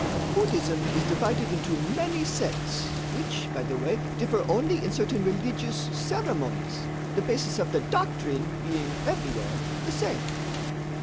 "Buddhism is divided into many sects which, by the way, differ only in certain religious ceremonies, the basis of the doctrine being everywhere the same.